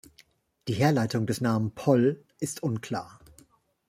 Die Herleitung des Namens „Poll“ ist unklar.